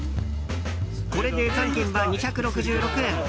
これで残金は２６６円。